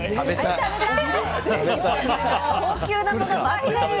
食べたい！